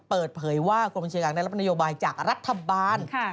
เปิดเผยว่ากรมบัญชีกลางได้รับนโยบายจากรัฐบาล